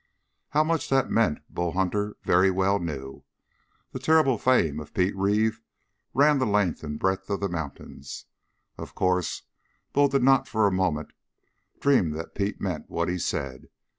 How much that meant Bull Hunter very well knew. The terrible fame of Pete Reeve ran the length and the breadth of the mountains. Of course Bull did not for a moment dream that Pete meant what he said.